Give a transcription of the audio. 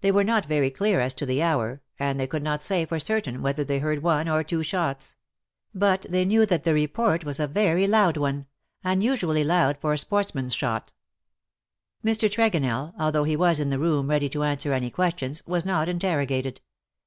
They were not very clear as to the hour, and they could not say for certain whether they heard one or two shots ; but they knew that the report was a very loud one — unusually loud for a sportsman^s shot. Mr. Tregonell, although he was in the room ready to answer any questions, was not interrogated.